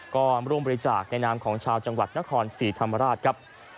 ก็ร่วมบริจาคในนามของชาวจังหวัดนครศรีธรรมราชครับ